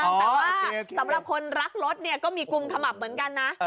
แต่ว่าสำหรับคนรักรถเนี่ยก็มีกุมขมับเหมือนกันนะ